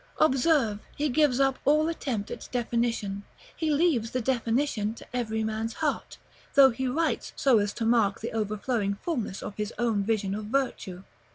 Observe, he gives up all attempt at definition; he leaves the definition to every man's heart, though he writes so as to mark the overflowing fulness of his own vision of virtue.